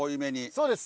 そうです。